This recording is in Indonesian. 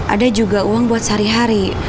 ada juga uang buat sehari hari